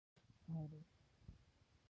Irish